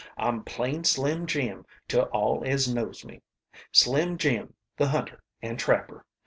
I'm plain Slim Jim to all as knows me Slim Jim the hunter an' trapper.